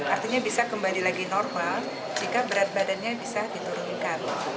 artinya bisa kembali lagi normal jika berat badannya bisa diturunkan